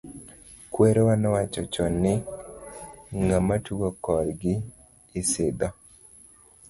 Kwerawa nowacho chon , ni ng'ama tugo kor gi isidho.